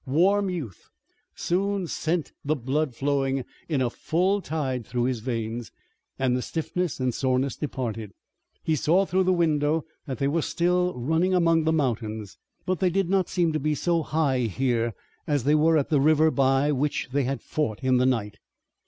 Warm youth soon sent the blood flowing in a full tide through his veins, and the stiffness and soreness departed. He saw through the window that they were still running among the mountains, but they did not seem to be so high here as they were at the river by which they had fought in the night.